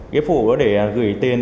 ghế phủ để gửi tiền